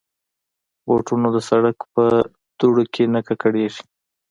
بوټونه د سړک په دوړو کې نه ککړېږي.